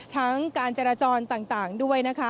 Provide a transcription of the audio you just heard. ทั้งการเจรจรต่างด้วย